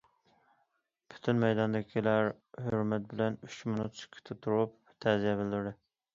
پۈتۈن مەيداندىكىلەر ھۆرمەت بىلەن ئۈچ مىنۇت سۈكۈتتە تۇرۇپ تەزىيە بىلدۈردى.